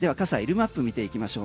マップ見ていきましょう。